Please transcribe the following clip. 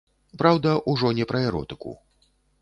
Праўда, ужо не пра эротыку.